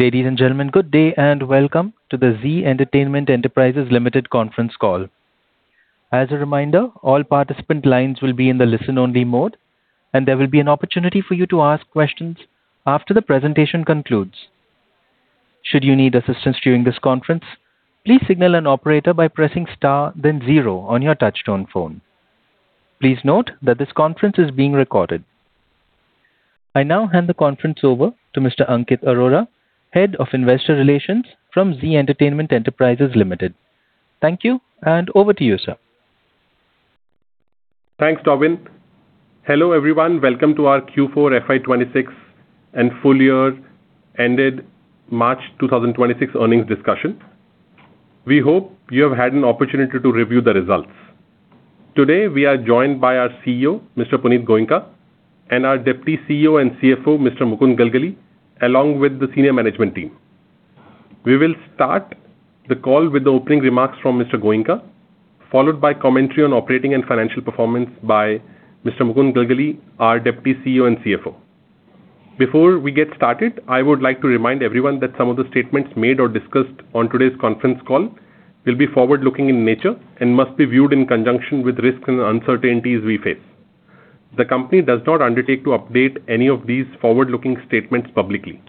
Ladies and gentlemen, good day and welcome to the Zee Entertainment Enterprises Limited conference call. As a reminder, all participant lines will be in the listen-only mode, and there will be an opportunity for you to ask questions after the presentation concludes. Should you need assistance during this conference, please signal an operator by pressing Star then zero on your touchtone phone. Please note that this conference is being recorded. I now hand the conference over to Mr. Ankit Arora, Head of Investor Relations from Zee Entertainment Enterprises Limited. Thank you, and over to you, sir. Thanks, Tobin. Hello, everyone. Welcome to our Q4 FY 2026 and full- year ended March 2026 earnings discussion. We hope you have had an opportunity to review the results. Today, we are joined by our CEO, Mr. Punit Goenka, and our Deputy CEO and CFO, Mr. Mukund Galgali, along with the senior management team. We will start the call with the opening remarks from Mr. Goenka, followed by commentary on operating and financial performance by Mr. Mukund Galgali, our Deputy CEO and CFO. Before we get started, I would like to remind everyone that some of the statements made or discussed on today's conference call will be forward-looking in nature and must be viewed in conjunction with risks and uncertainties we face. The company does not undertake to update any of these forward-looking statements publicly.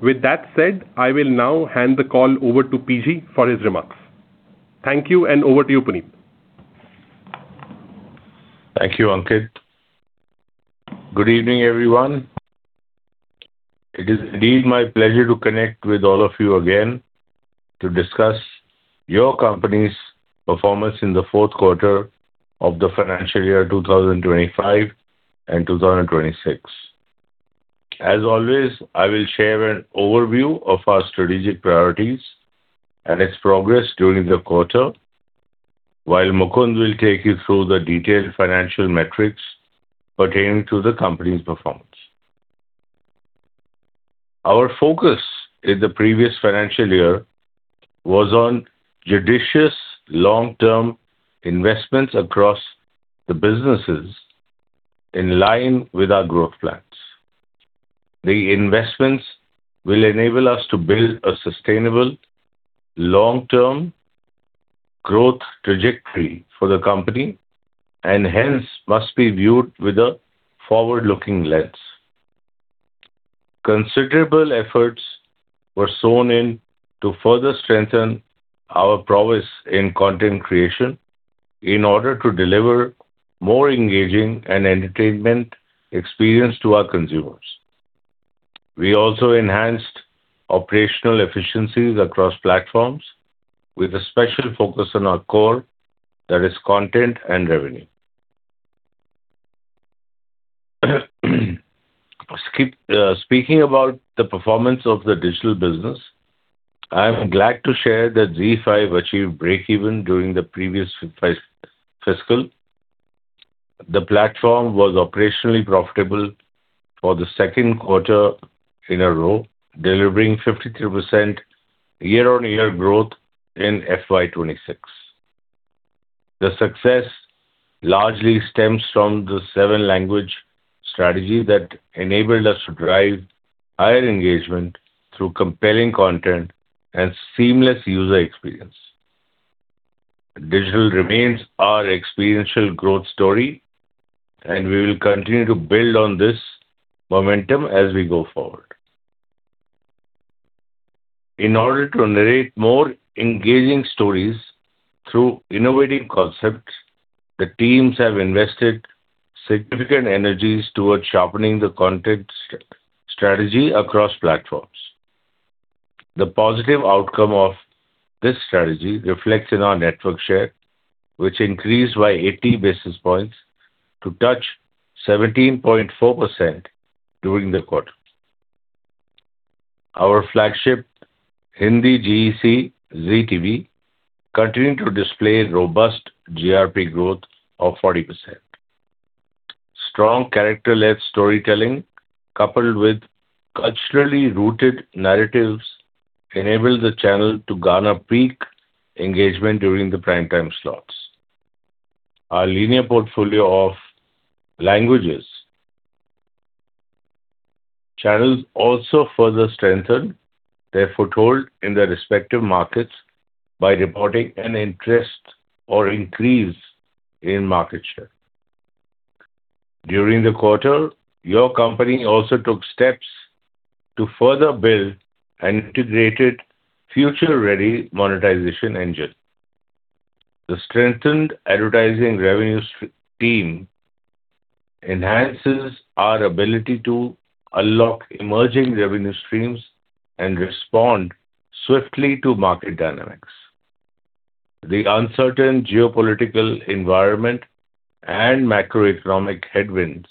With that said, I will now hand the call over to PG for his remarks. Thank you, and over to you, Punit. Thank you, Ankit. Good evening, everyone. It is indeed my pleasure to connect with all of you again to discuss your company's performance in the fourth quarter of the financial year 2025 and 2026. As always, I will share an overview of our strategic priorities and its progress during the quarter, while Mukund will take you through the detailed financial metrics pertaining to the company's performance. Our focus in the previous financial year was on judicious long-term investments across the businesses in line with our growth plans. The investments will enable us to build a sustainable long-term growth trajectory for the company and hence must be viewed with a forward-looking lens. Considerable efforts were sown in to further strengthen our prowess in content creation in order to deliver more engaging and entertainment experience to our consumers. We also enhanced operational efficiencies across platforms with a special focus on our CORE, that is content and revenue. Speaking about the performance of the digital business, I am glad to share that ZEE5 achieved breakeven during the previous fiscal. The platform was operationally profitable for the 2nd quarter in a row, delivering 53% year-on-year growth in FY 2026. The success largely stems from the seven-language strategy that enabled us to drive higher engagement through compelling content and seamless user experience. Digital remains our experiential growth story, and we will continue to build on this momentum as we go forward. In order to narrate more engaging stories through innovative concepts, the teams have invested significant energies towards sharpening the content strategy across platforms. The positive outcome of this strategy reflects in our network share, which increased by 80 basis points to touch 17.4% during the quarter. Our flagship Hindi GEC, Zee TV, continued to display robust GRP growth of 40%. Strong character-led storytelling coupled with culturally rooted narratives enabled the channel to garner peak engagement during the prime time slots. Our linear portfolio of languages channels also further strengthened their foothold in their respective markets by reporting an interest or increase in market share. During the quarter, your company also took steps to further build an integrated future-ready monetization engine. The strengthened advertising revenue team enhances our ability to unlock emerging revenue streams and respond swiftly to market dynamics. The uncertain geopolitical environment and macroeconomic headwinds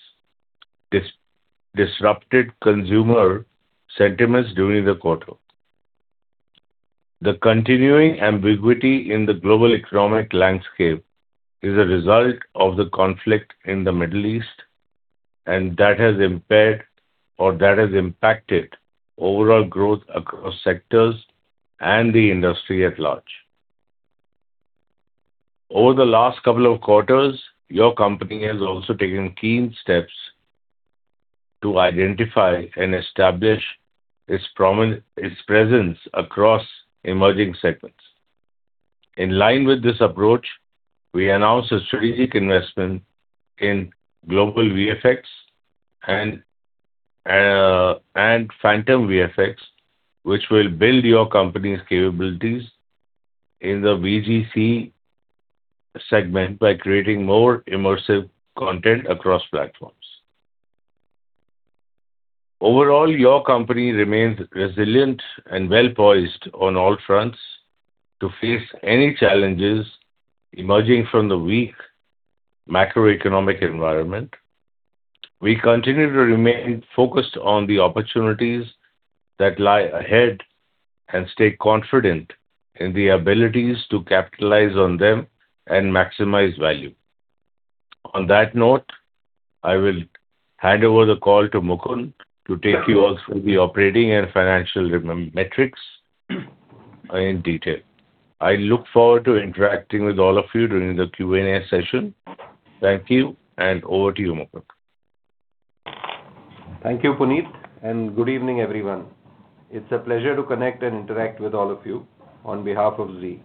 disrupted consumer sentiments during the quarter. The continuing ambiguity in the global economic landscape is a result of the conflict in the Middle East, that has impaired or that has impacted overall growth across sectors and the industry at large. Over the last couple of quarters, your company has also taken keen steps to identify and establish its presence across emerging segments. In line with this approach, we announced a strategic investment in Global VFX and Phantom VFX, which will build your company's capabilities in the VFX segment by creating more immersive content across platforms. Overall, your company remains resilient and well-poised on all fronts to face any challenges emerging from the weak macroeconomic environment. We continue to remain focused on the opportunities that lie ahead and stay confident in the abilities to capitalize on them and maximize value. On that note, I will hand over the call to Mukund to take you all through the operating and financial metrics in detail. I look forward to interacting with all of you during the Q and A session. Thank you. Over to you, Mukund. Thank you, Punit, and good evening, everyone. It's a pleasure to connect and interact with all of you on behalf of Zee.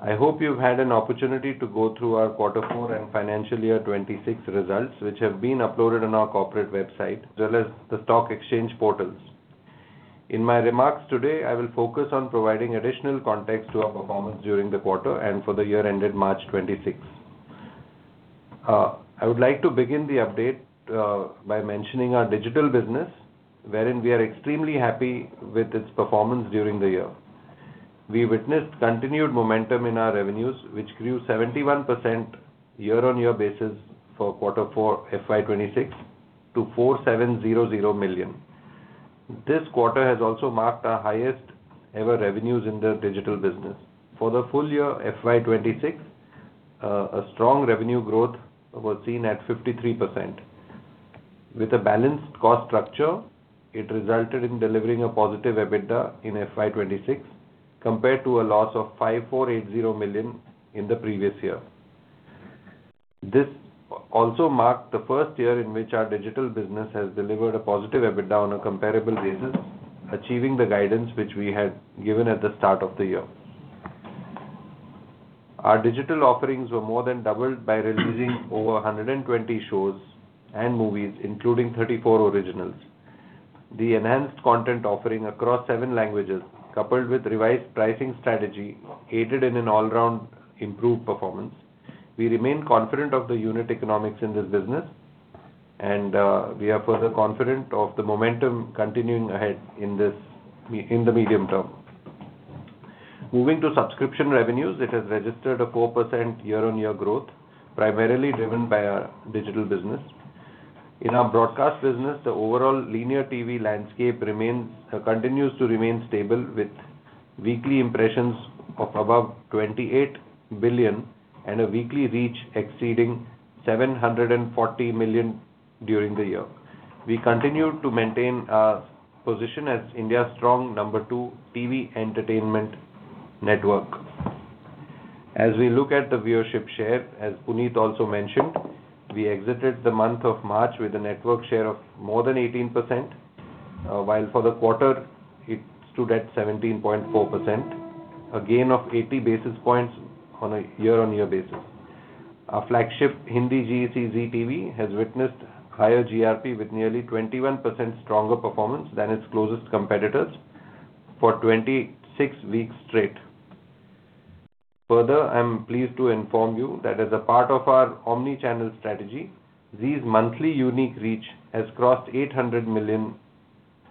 I hope you've had an opportunity to go through our quarter four and FY 2026 results, which have been uploaded on our corporate website, as well as the stock exchange portals. In my remarks today, I will focus on providing additional context to our performance during the quarter and for the year ended March 26th. I would like to begin the update by mentioning our digital business, wherein we are extremely happy with its performance during the year. We witnessed continued momentum in our revenues, which grew 71% year-over-year basis for quarter four FY 2026 to 4,700 million. This quarter has also marked our highest ever revenues in the digital business. For the full -year FY 2026, a strong revenue growth was seen at 53%. With a balanced cost structure, it resulted in delivering a positive EBITDA in FY 2026 compared to a loss of 5,480 million in the previous year. This also marked the first year in which our digital business has delivered a positive EBITDA on a comparable basis, achieving the guidance which we had given at the start of the year. Our digital offerings were more than doubled by releasing over 120 shows and movies, including 34 originals. The enhanced content offering across seven languages, coupled with revised pricing strategy, aided in an all-round improved performance. We remain confident of the unit economics in this business and we are further confident of the momentum continuing ahead in the medium term. Moving to subscription revenues, it has registered a 4% year-on-year growth, primarily driven by our digital business. In our broadcast business, the overall linear TV landscape continues to remain stable with weekly impressions of above 28 billion and a weekly reach exceeding 740 million during the year. We continue to maintain our position as India's strong number two TV entertainment network. As we look at the viewership share, as Punit also mentioned, we exited the month of March with a network share of more than 18%, while for the quarter it stood at 17.4%, a gain of 80 basis points on a year-on-year basis. Our flagship Hindi GEC Zee TV has witnessed higher GRP with nearly 21% stronger performance than its closest competitors for 26 weeks straight. Further, I'm pleased to inform you that as a part of our omni-channel strategy, Zee's monthly unique reach has crossed 800 million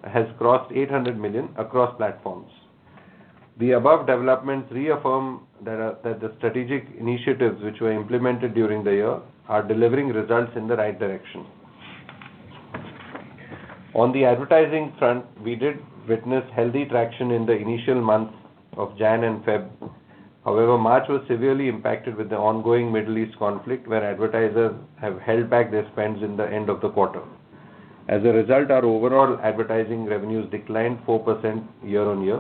across platforms. The above developments reaffirm that the strategic initiatives which were implemented during the year are delivering results in the right direction. On the advertising front, we did witness healthy traction in the initial months of Jan and Feb. However, March was severely impacted with the ongoing Middle East conflict, where advertisers have held back their spends in the end of the quarter. As a result, our overall advertising revenues declined 4% year-on-year.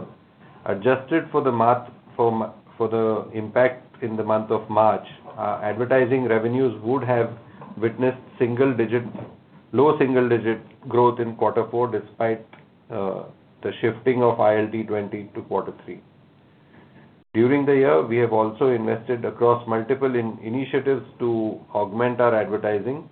Adjusted for the impact in the month of March, our advertising revenues would have witnessed low single-digit growth in quarter four, despite the shifting of ILT20 to quarter three. During the year, we have also invested across multiple initiatives to augment our advertising,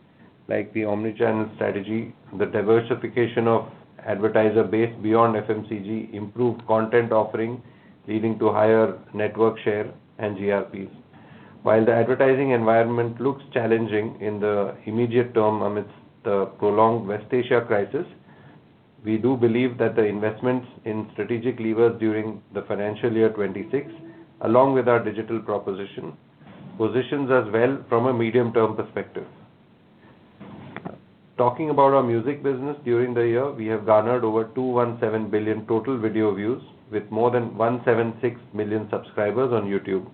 like the omni-channel strategy, the diversification of advertiser base beyond FMCG, improved content offering, leading to higher network share and GRPs. While the advertising environment looks challenging in the immediate term amidst the prolonged West Asia crisis, we do believe that the investments in strategic levers during the financial year 2026, along with our digital proposition, positions us well from a medium-term perspective. Talking about our music business during the year, we have garnered over 217 billion total video views with more than 176 million subscribers on YouTube.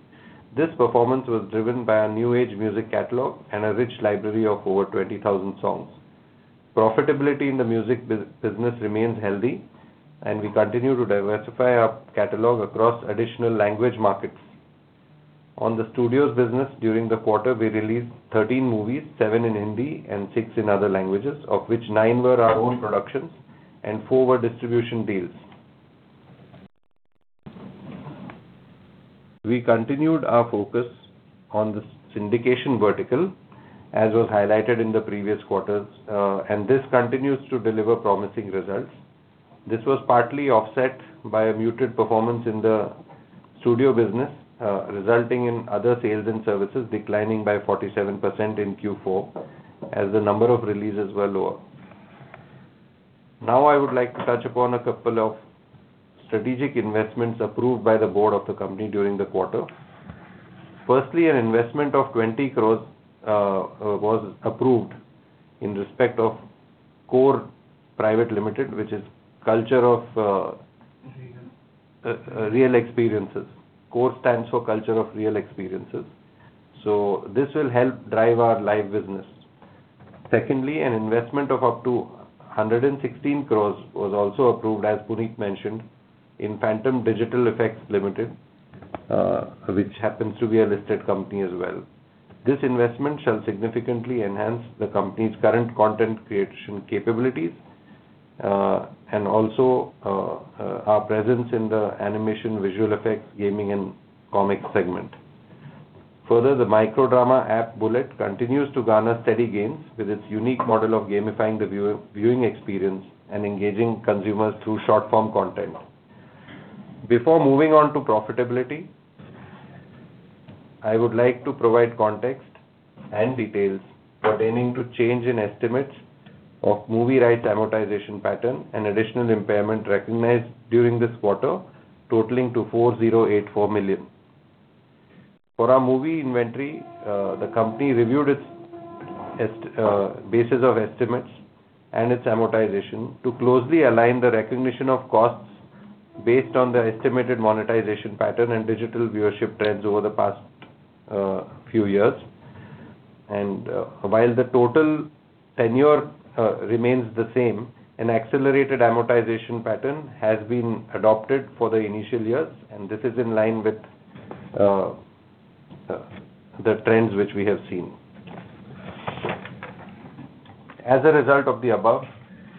This performance was driven by our New Age music catalog and a rich library of over 20,000 songs. Profitability in the music business remains healthy, and we continue to diversify our catalog across additional language markets. On the studios business during the quarter, we released 13 movies, seven in Hindi and six in other languages, of which nine were our own productions and four were distribution deals. We continued our focus on the syndication vertical, as was highlighted in the previous quarters, this continues to deliver promising results. This was partly offset by a muted performance in the studio business, resulting in other sales and services declining by 47% in Q4 as the number of releases were lower. I would like to touch upon a couple of strategic investments approved by the board of the company during the quarter. Firstly, an investment of 20 crores was approved in respect of CORE Private Limited. Real. real experiences. CORE stands for Culture Of Real Experiences. This will help drive our live business. Secondly, an investment of up to 116 crores was also approved, as Punit mentioned, in Phantom Digital Effects Limited, which happens to be a listed company as well. This investment shall significantly enhance the company's current content creation capabilities, and also, our presence in the animation, visual effects, gaming, and comic segment. The micro drama app, Bullette, continues to garner steady gains with its unique model of gamifying the viewing experience and engaging consumers through short-form content. Before moving on to profitability, I would like to provide context and details pertaining to change in estimates of movie rights amortization pattern and additional impairment recognized during this quarter, totaling to 4,084 million. For our movie inventory, the company reviewed its basis of estimates and its amortization to closely align the recognition of costs based on the estimated monetization pattern and digital viewership trends over the past few years. While the total tenure remains the same, an accelerated amortization pattern has been adopted for the initial years, and this is in line with the trends which we have seen. As a result of the above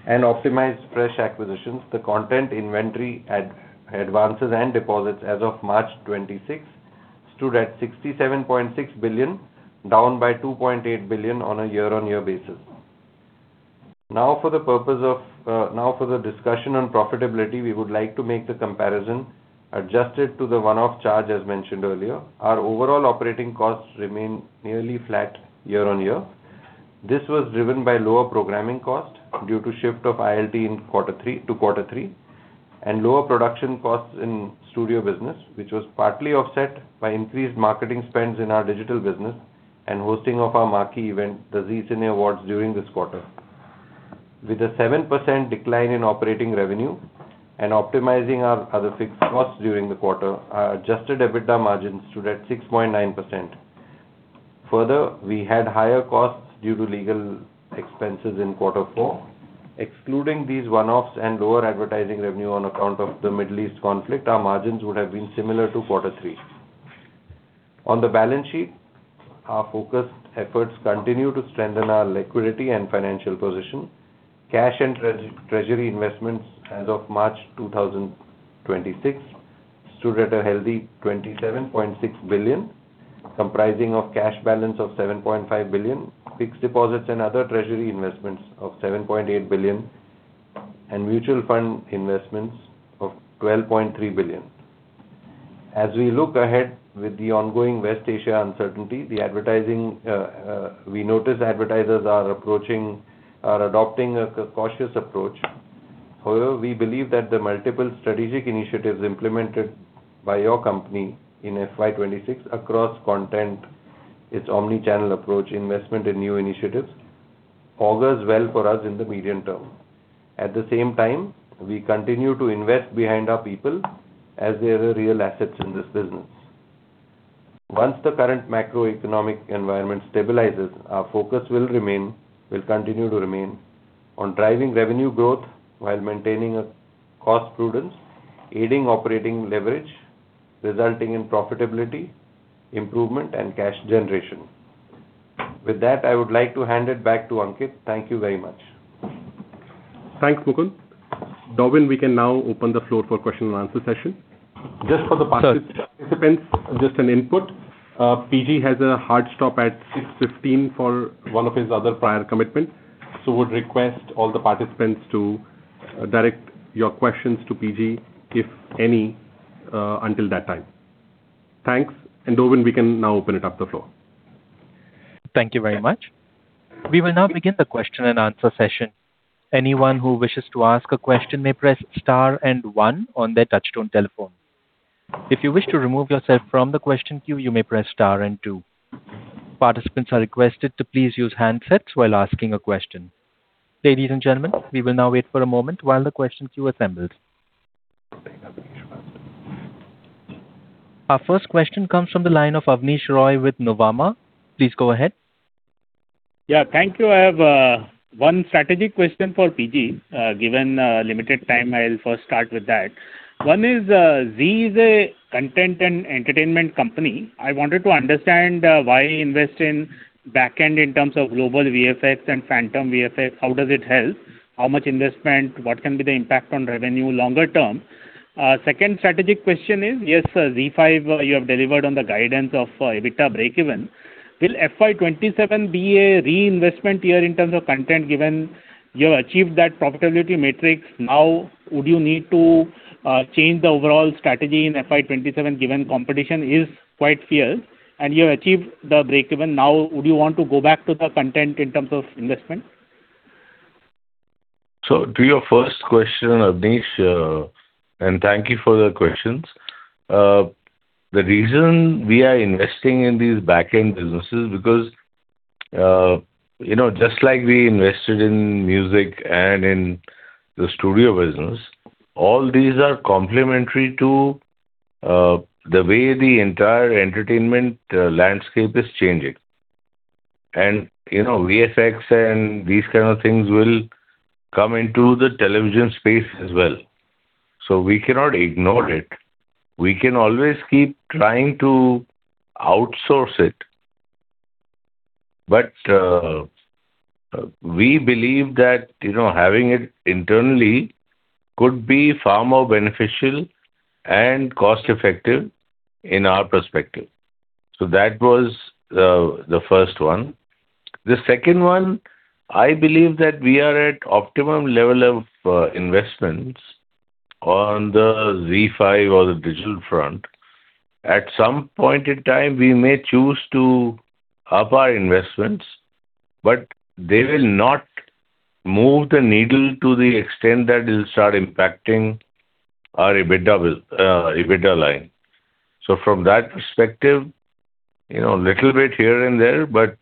and optimized fresh acquisitions, the content inventory advances and deposits as of March 26 stood at 67.6 billion, down by 2.8 billion on a year-on-year basis. Now for the discussion on profitability, we would like to make the comparison adjusted to the one-off charge, as mentioned earlier. Our overall operating costs remain nearly flat year-on-year. This was driven by lower programming costs due to shift of ILT to quarter three and lower production costs in studio business, which was partly offset by increased marketing spends in our digital business and hosting of our marquee event, the Zee Cine Awards, during this quarter. With a 7% decline in operating revenue and optimizing our other fixed costs during the quarter, our adjusted EBITDA margins stood at 6.9%. We had higher costs due to legal expenses in quarter four. Excluding these one-offs and lower advertising revenue on account of the Middle East conflict, our margins would have been similar to quarter three. On the balance sheet, our focused efforts continue to strengthen our liquidity and financial position. Cash and treasury investments as of March 2026 stood at a healthy 27.6 billion, comprising of cash balance of 7.5 billion, fixed deposits and other treasury investments of 7.8 billion, and mutual fund investments of 12.3 billion. As we look ahead with the ongoing West Asia uncertainty, the advertising, we notice advertisers are approaching or adopting a cautious approach. However, we believe that the multiple strategic initiatives implemented by your company in FY 2026 across content, its omni-channel approach, investment in new initiatives, augurs well for us in the medium term. At the same time, we continue to invest behind our people as they are real assets in this business. Once the current macroeconomic environment stabilizes, our focus will continue to remain on driving revenue growth while maintaining a cost prudence, aiding operating leverage, resulting in profitability, improvement, and cash generation. With that, I would like to hand it back to Ankit. Thank you very much. Thanks, Mukund Galgali. Dobin, we can now open the floor for question and answer session. Just for the participants, just an input. PG has a hard stop at 6:15 P.M. for one of his other prior commitments. Would request all the participants to direct your questions to PG, if any, until that time. Thanks. Dobin, we can now open it up the floor. Thank you very much. We will now begin the question and answer session. Anyone who wishes to ask a question may press star and one on their touchtone telephone. If you wish to remove yourself from the question queue, you may press star and two. Participants are requested to please use handsets while asking a question. Ladies and gentlemen, we will now wait for a moment while the question queue assembles. Our first question comes from the line of Avnish Roy with Nomura. Please go ahead. Yeah, thank you. I have one strategic question for PG. Given limited time, I'll first start with that. One is, Zee is a content and entertainment company. I wanted to understand, why invest in back end in terms of Global VFX and Phantom VFX, how does it help? How much investment? What can be the impact on revenue longer term? Second strategic question is, yes, sir, ZEE5, you have delivered on the guidance of EBITDA breakeven. Will FY 2027 be a reinvestment year in terms of content, given you have achieved that profitability matrix? Now, would you need to change the overall strategy in FY 2027 given competition is quite fierce and you have achieved the breakeven now, would you want to go back to the content in terms of investment? To your first question, Avnish, and thank you for the questions. The reason we are investing in these back-end businesses because, you know, just like we invested in music and in the studio business, all these are complementary to the way the entire entertainment landscape is changing. You know, VFX and these kind of things will come into the television space as well. We cannot ignore it. We can always keep trying to outsource it. We believe that, you know, having it internally could be far more beneficial and cost-effective in our perspective. That was the first one. The second one, I believe that we are at optimum level of investments on the ZEE5 or the digital front. At some point in time, we may choose to up our investments, but they will not move the needle to the extent that it'll start impacting our EBITDA line. From that perspective, you know, little bit here and there, but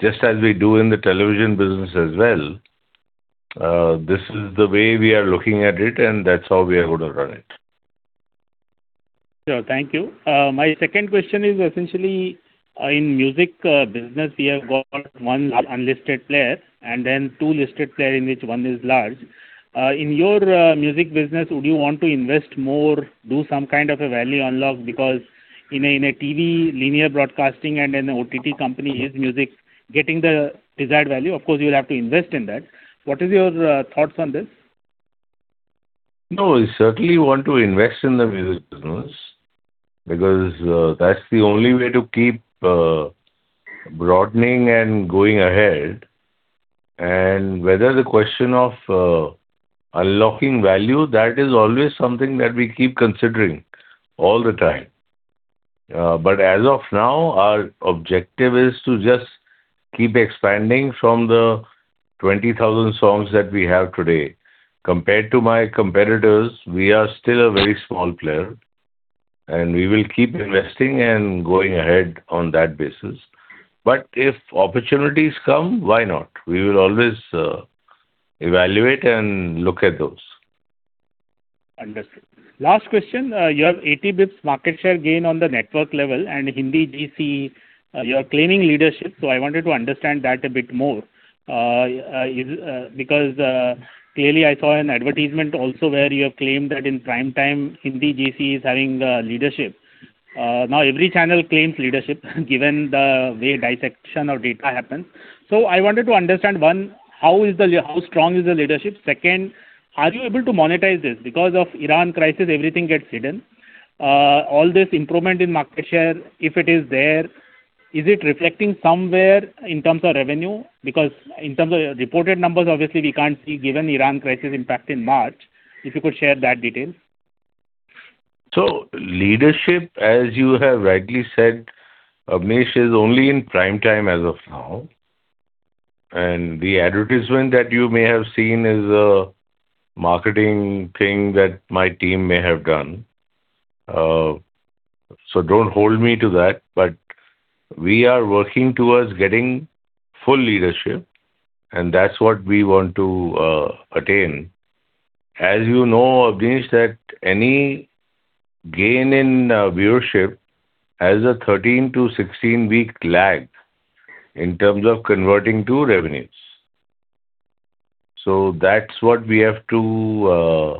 just as we do in the television business as well, this is the way we are looking at it, and that's how we are gonna run it. Sure. Thank you. My second question is essentially, in music business, we have got one unlisted player and then two listed player in which one is large. In your music business, would you want to invest more, do some kind of a value unlock? Because in a, in a TV linear broadcasting and an OTT company, is music getting the desired value? Of course, you'll have to invest in that. What is your thoughts on this? No, we certainly want to invest in the music business because that's the only way to keep broadening and going ahead. Whether the question of unlocking value, that is always something that we keep considering all the time. As of now, our objective is to just keep expanding from the 20,000 songs that we have today. Compared to my competitors, we are still a very small player, and we will keep investing and going ahead on that basis. If opportunities come, why not? We will always evaluate and look at those. Understood. Last question. You have 80 basis points market share gain on the network level and Hindi GEC, you're claiming leadership. I wanted to understand that a bit more. Because, clearly I saw an advertisement also where you have claimed that in prime time Hindi GEC is having leadership. Every channel claims leadership given the way dissection of data happens. I wanted to understand, one, how strong is the leadership? Second, are you able to monetize this? Because of Iran crisis, everything gets hidden. All this improvement in market share, if it is there, is it reflecting somewhere in terms of revenue? Because in terms of reported numbers, obviously we can't see given Iran crisis impact in March, if you could share that detail. Leadership, as you have rightly said, Avnish, is only in prime time as of now. The advertisement that you may have seen is a marketing thing that my team may have done. Don't hold me to that, but we are working towards getting full leadership, and that's what we want to attain. As you know, Avnish, that any gain in viewership has a 13 to 16 week lag in terms of converting to revenues. That's what we have to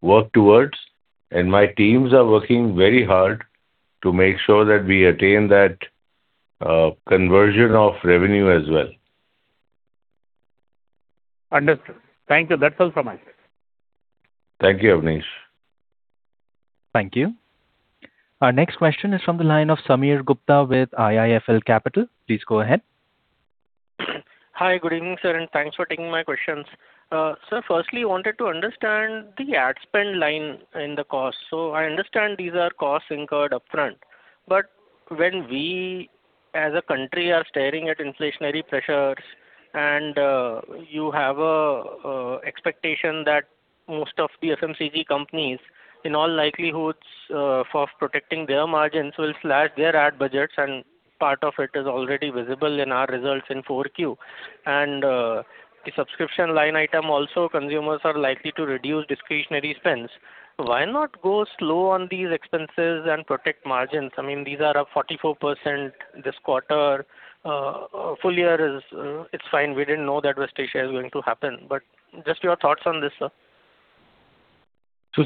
work towards, and my teams are working very hard to make sure that we attain that conversion of revenue as well. Understood. Thank you. That's all from my side. Thank you, Avnish. Thank you. Our next question is from the line of Sameer Gupta with IIFL Capital. Please go ahead. Hi, good evening, sir. Thanks for taking my questions. Sir, firstly, I wanted to understand the ad spend line in the cost. I understand these are costs incurred upfront, but when we as a country are staring at inflationary pressures, and you have an expectation that most of the FMCG companies, in all likelihoods, for protecting their margins will slash their ad budgets, and part of it is already visible in our results in 4Q. The subscription line item also, consumers are likely to reduce discretionary spends. Why not go slow on these expenses and protect margins? I mean, these are up 44% this quarter. Full -year is, it's fine. We didn't know that West Asia is going to happen. Just your thoughts on this, sir.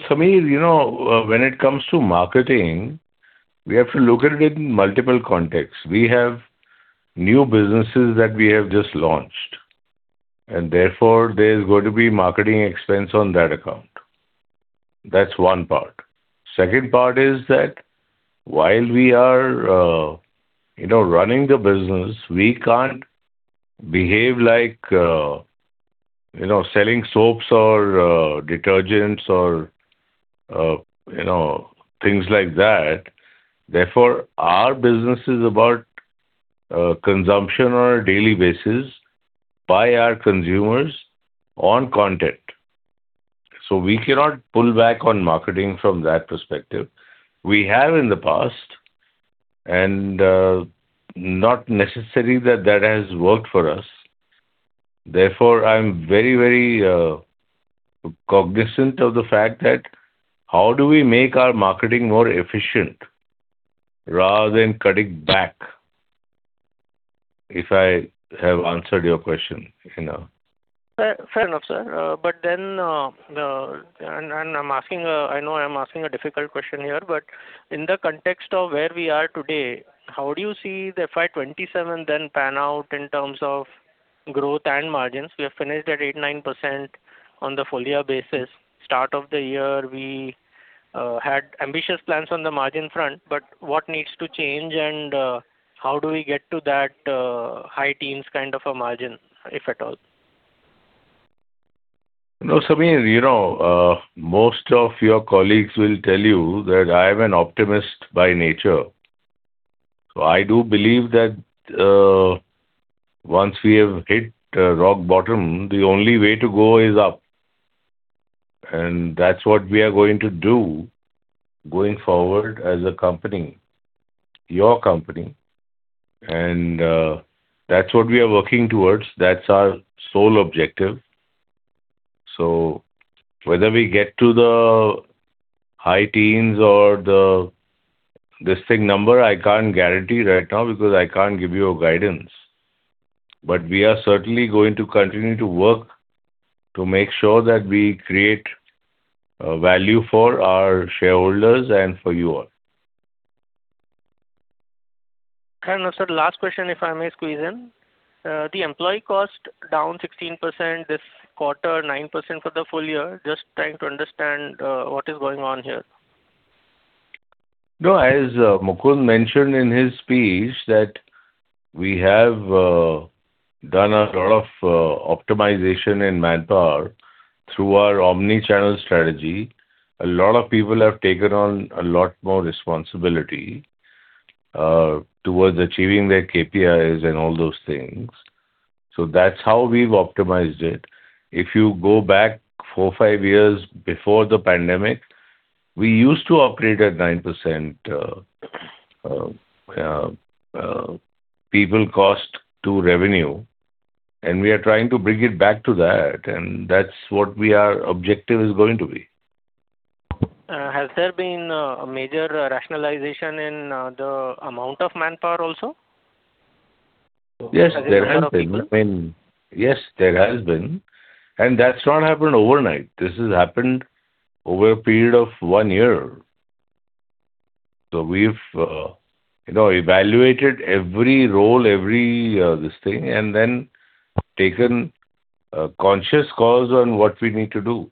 Sameer, you know, when it comes to marketing, we have to look at it in multiple contexts. We have new businesses that we have just launched, and therefore there's going to be marketing expense on that account. That's one part. Second part is that while we are, you know, running the business, we can't behave like, you know, selling soaps or detergents or, you know, things like that. Therefore, our business is about consumption on a daily basis by our consumers on content. We cannot pull back on marketing from that perspective. We have in the past and not necessarily that that has worked for us. Therefore, I'm very cognizant of the fact that how do we make our marketing more efficient rather than cutting back? If I have answered your question, you know. Fair enough, sir. I know I'm asking a difficult question here, in the context of where we are today, how do you see the FY 2027 then pan out in terms of growth and margins? We have finished at 8%, 9% on the full- year basis. Start of the year, we had ambitious plans on the margin front, what needs to change and how do we get to that high teens kind of a margin, if at all? Sameer, you know, most of your colleagues will tell you that I'm an optimist by nature. I do believe that, once we have hit, rock bottom, the only way to go is up. That's what we are going to do going forward as a company, your company. That's what we are working towards. That's our sole objective. Whether we get to the high teens or the, this thing number, I can't guarantee right now because I can't give you a guidance. We are certainly going to continue to work to make sure that we create, value for our shareholders and for you all. Fair enough, sir. Last question, if I may squeeze in. The employee cost down 16% this quarter, 9% for the full- year. Just trying to understand what is going on here. As Mukund mentioned in his speech that we have done a lot of optimization in manpower through our omni-channel strategy. A lot of people have taken on a lot more responsibility towards achieving their KPIs and all those things. That's how we've optimized it. If you go back four, five years before the pandemic, we used to operate at 9% people cost to revenue, and we are trying to bring it back to that, and that's what we are objective is going to be. Has there been a major rationalization in the amount of manpower also? Yes, there has been. I mean, yes, there has been. That's not happened overnight. This has happened over a period of one year. We've, you know, evaluated every role, every, this thing and then taken, conscious calls on what we need to do.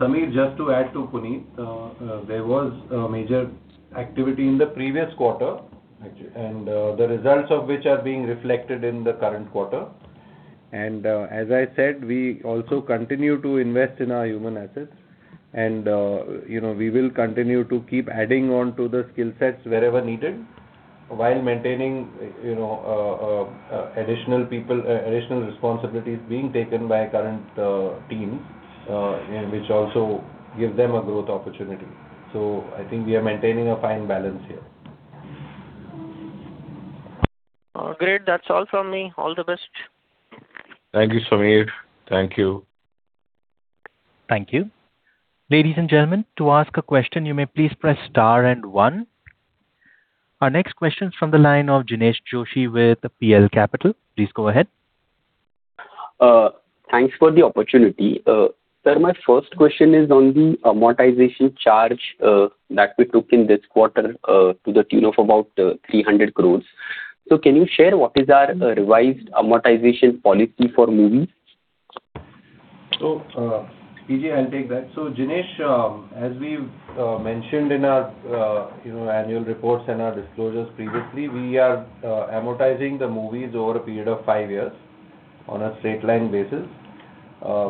Sameer, just to add to Punit, there was a major activity in the previous quarter, the results of which are being reflected in the current quarter. As I said, we also continue to invest in our human assets and, you know, we will continue to keep adding on to the skill sets wherever needed while maintaining, you know, additional people, additional responsibilities being taken by current teams, which also give them a growth opportunity. I think we are maintaining a fine balance here. Great. That's all from me. All the best. Thank you, Sameer. Thank you. Thank you. Ladies and gentlemen, to ask a question you may please press star and one. Our next question is from the line of Jinesh Joshi with Prabhudas Lilladher. Please go ahead. Thanks for the opportunity. Sir, my first question is on the amortization charge that we took in this quarter to the tune of about 300 crores. Can you share what is our revised amortization policy for movies? PG, I'll take that. Jinesh, as we've mentioned in our, you know, annual reports and our disclosures previously, we are amortizing the movies over a period of 5 years on a straight line basis.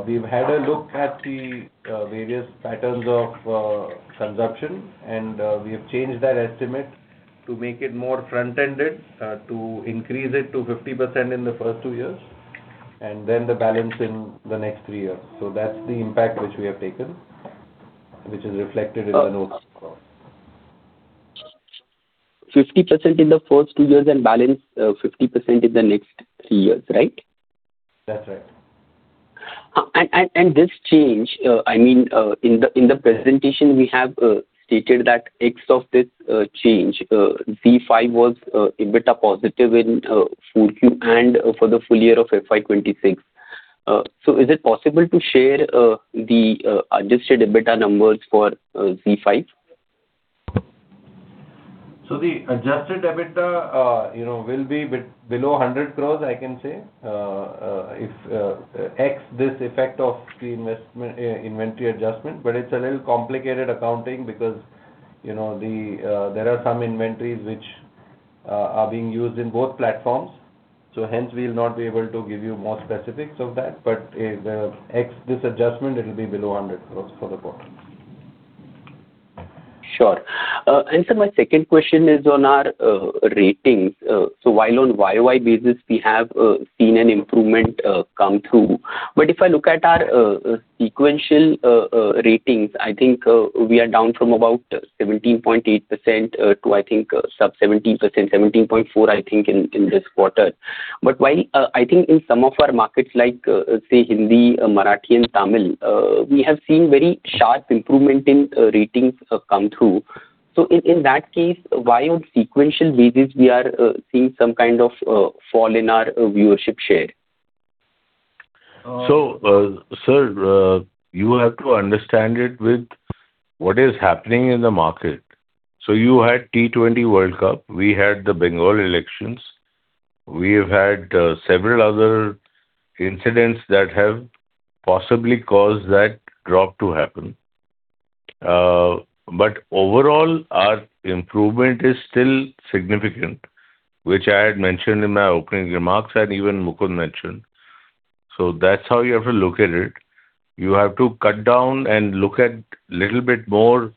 We've had a look at the various patterns of consumption, and we have changed that estimate to make it more front-ended, to increase it to 50% in the first two years, and then the balance in the next three years. That's the impact which we have taken, which is reflected in the notes as well. 50% in the first two years and balance, 50% in the next three years, right? That's right. This change, I mean, in the presentation, we have stated that X of this change, ZEE5 was EBITDA positive in full Q and for the full- year of FY 2026. Is it possible to share the adjusted EBITDA numbers for ZEE5? The adjusted EBITDA, you know, will be bit below 100 crore, I can say, if X this effect of the inventory adjustment. It's a little complicated accounting because, you know, the there are some inventories which are being used in both platforms, so hence we'll not be able to give you more specifics of that. The X, this adjustment, it'll be below 100 crore for the quarter. Sure. Sir, my second question is on our ratings. While on YoY basis we have seen an improvement come through, but if I look at our sequential ratings, I think we are down from about 17.8% to I think sub 17%, 17.4, I think in this quarter. While I think in some of our markets like say Hindi, Marathi and Tamil, we have seen very sharp improvement in ratings come through. In that case, why on sequential basis we are seeing some kind of fall in our viewership share? Sir, you have to understand it with what is happening in the market. You had T20 World Cup, we had the Bengal elections. We have had several other incidents that have possibly caused that drop to happen. Overall, our improvement is still significant, which I had mentioned in my opening remarks and even Mukund Galgali mentioned. That's how you have to look at it. You have to cut down and look at little bit more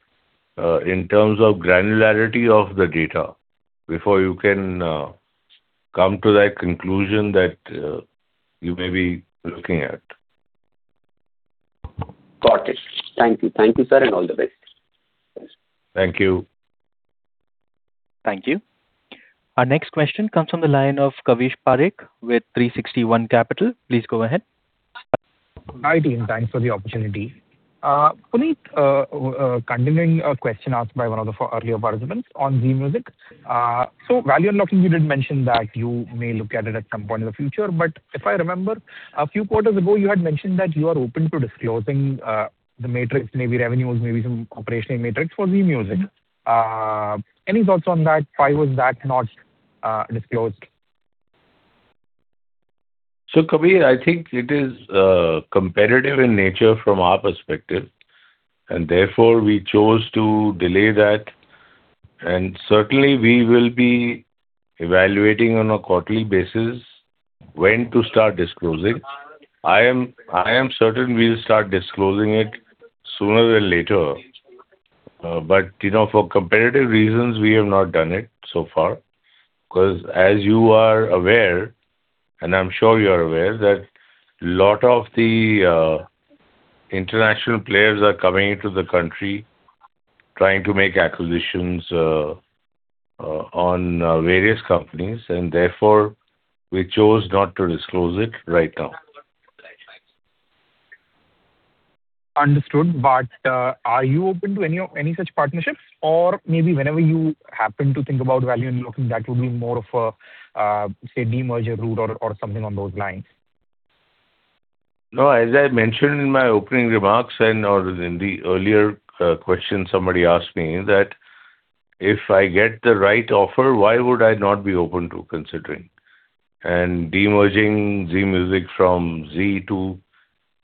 in terms of granularity of the data before you can come to that conclusion that you may be looking at. Got it. Thank you. Thank you, sir, and all the best. Thank you. Thank you. Our next question comes from the line of Kavish Parekh with 360 ONE Capital. Please go ahead. Hi, team. Thanks for the opportunity. Punit, continuing a question asked by one of the earlier participants on Zee Music. Value unlocking, you did mention that you may look at it at some point in the future, but if I remember, a few quarters ago, you had mentioned that you are open to disclosing, the metrics, maybe revenues, maybe some operational metrics for Zee Music. Any thoughts on that? Why was that not disclosed? Kavish, I think it is competitive in nature from our perspective, and therefore we chose to delay that. Certainly we will be evaluating on a quarterly basis when to start disclosing. I am certain we'll start disclosing it sooner than later. You know, for competitive reasons, we have not done it so far 'cause as you are aware, and I am sure you're aware, that lot of the international players are coming into the country trying to make acquisitions on various companies and therefore we chose not to disclose it right now. Understood. Are you open to any such partnerships? Maybe whenever you happen to think about value unlocking, that would be more of a, say, demerger route or something on those lines? No, as I mentioned in my opening remarks and/or in the earlier question somebody asked me that if I get the right offer, why would I not be open to considering? Demerging Zee Music from Zee to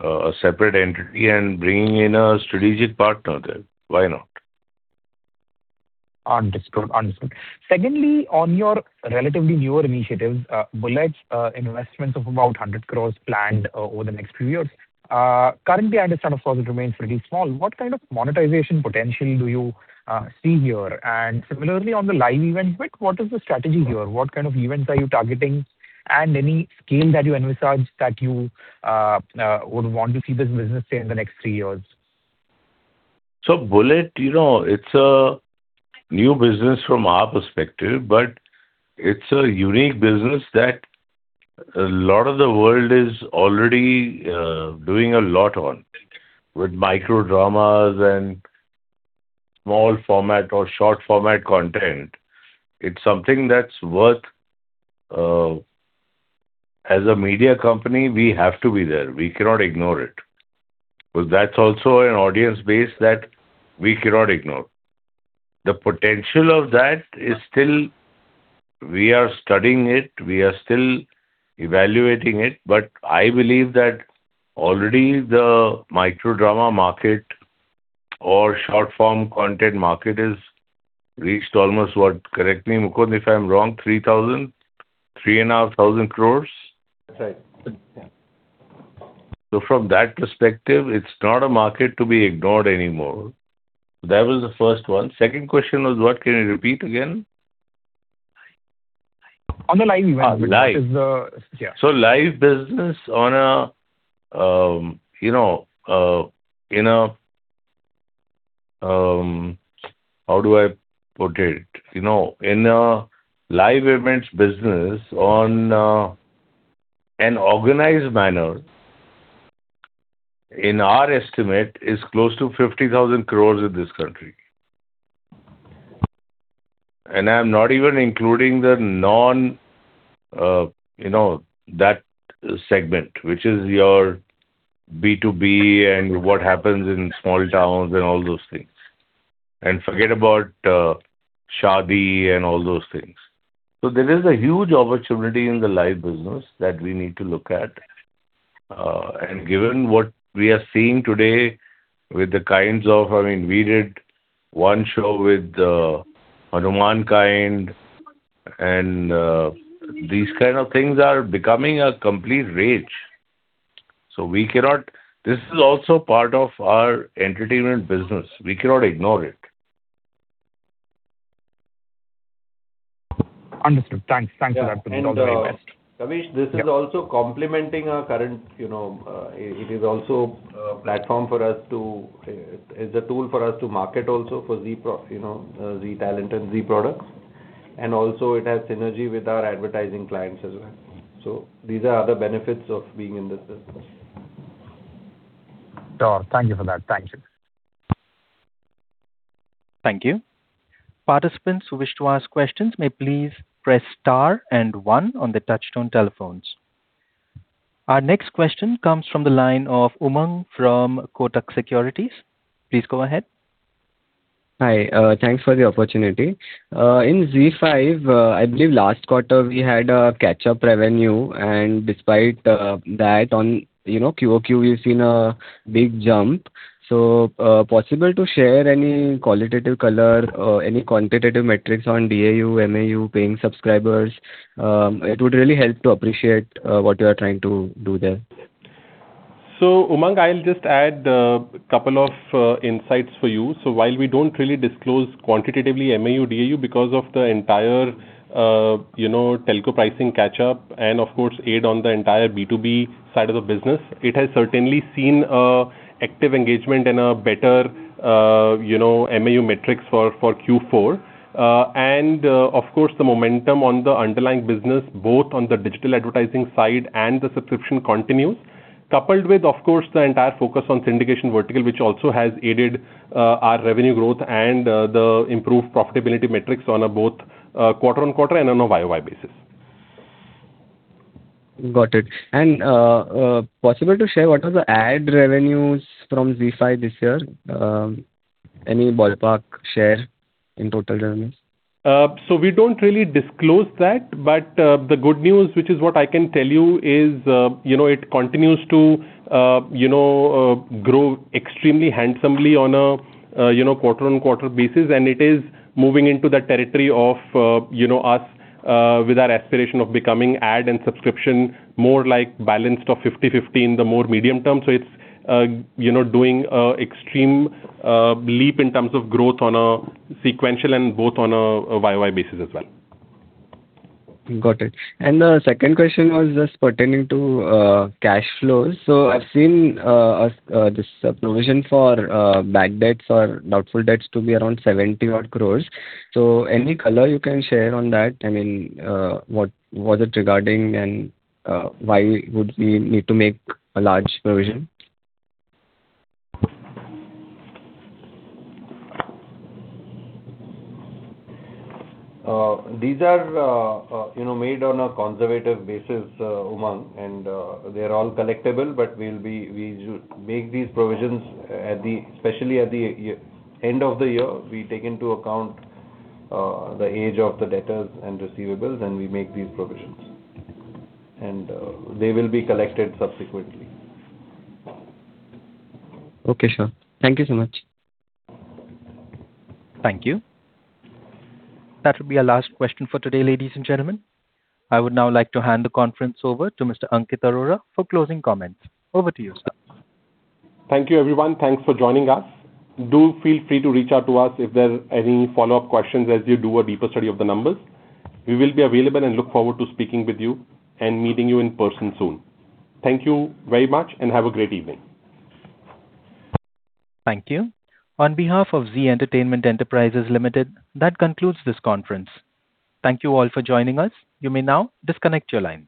a separate entity and bringing in a strategic partner there, why not? Understood. Understood. Secondly, on your relatively newer initiatives, Bullette, investments of about 100 crores planned over the next few years. Currently I understand, of course, it remains pretty small. What kind of monetization potential do you see here? Similarly, on the live event bit, what is the strategy here? What kind of events are you targeting? Any scale that you envisage that you would want to see this business say in the next three years? Bullette, you know, it's a new business from our perspective, but it's a unique business that a lot of the world is already doing a lot on with micro dramas and small format or short format content. It's something that's worth as a media company, we have to be there. We cannot ignore it, because that's also an audience base that we cannot ignore. The potential of that is still We are studying it. We are still evaluating it, but I believe that already the micro drama market or short form content market is reached almost what? Correct me, Mukund, if I'm wrong, 3,000, 3,500 crores. That's right. Yeah. From that perspective, it's not a market to be ignored anymore. That was the first one. Second question was what? Can you repeat again? On the live event. Live. Which is, Yeah. Live events business on an organized manner, in our estimate is close to 50,000 crores in this country. I'm not even including the non that segment, which is your B2B and what happens in small towns and all those things. Forget about shaadi and all those things. There is a huge opportunity in the live business that we need to look at. And given what we are seeing today with the kinds of, I mean, we did one show with Hanuman kind and these kind of things are becoming a complete rage. This is also part of our entertainment business. We cannot ignore it. Understood. Thanks. Thanks for that. Yeah. All the very best. Kavish, this is also complementing our current, you know, it is also a platform for us to, is a tool for us to market also for Zee prop, you know, Zee talent and Zee products. It has synergy with our advertising clients as well. These are other benefits of being in this business. Sure. Thank you for that. Thank you. Thank you. Participants who wish to ask questions may please press star and 1 on the touchtone telephones. Our next question comes from the line of Umang from Kotak Securities. Please go ahead. Hi. Thanks for the opportunity. In ZEE5, I believe last quarter we had a catch-up revenue, and despite that on QOQ, we've seen a big jump. Possible to share any qualitative color or any quantitative metrics on DAU, MAU paying subscribers. It would really help to appreciate what you are trying to do there. Umang, I'll just add a couple of insights for you. While we don't really disclose quantitatively MAU, DAU because of the entire, you know, telco pricing catch up and of course aid on the entire B2B side of the business, it has certainly seen a active engagement and a better, you know, MAU metrics for Q4. Of course, the momentum on the underlying business both on the digital advertising side and the subscription continues, coupled with of course the entire focus on syndication vertical which also has aided our revenue growth and the improved profitability metrics on a both quarter-on-quarter and on a year-over-year basis. Got it. Possible to share what are the ad revenues from ZEE5 this year, any ballpark share in total revenues? We don't really disclose that, but, the good news, which is what I can tell you, is, you know, it continues to, you know, grow extremely handsomely on a, you know, quarter-on-quarter basis, and it is moving into that territory of, you know, us, with our aspiration of becoming ad and subscription more like balanced of 50/50 in the more medium term. It's, you know, doing an extreme leap in terms of growth on a sequential and both on a YOY basis as well. Got it. The second question was just pertaining to cash flows. I've seen this provision for bad debts or doubtful debts to be around 70 odd crores. Any color you can share on that? I mean, what was it regarding and why would we need to make a large provision? These are, you know, made on a conservative basis, Umang. They're all collectible, but we make these provisions especially at the end of the year, we take into account the age of the debtors and receivables, and we make these provisions. They will be collected subsequently. Okay, sure. Thank you so much. Thank you. That will be our last question for today, ladies and gentlemen. I would now like to hand the conference over to Mr. Ankit Arora for closing comments. Over to you, sir. Thank you, everyone. Thanks for joining us. Do feel free to reach out to us if there are any follow-up questions as you do a deeper study of the numbers. We will be available and look forward to speaking with you and meeting you in person soon. Thank you very much and have a great evening. Thank you. On behalf of Zee Entertainment Enterprises Limited, that concludes this conference. Thank you all for joining us. You may now disconnect your lines.